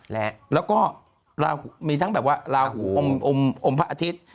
แล้วก็ลาหูมีทั้งแบบว่าลาหูอมพระอาทิตย์